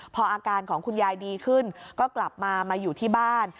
พออาการของคุณยายดีขึ้นก็กลับมามาอยู่ที่บ้าน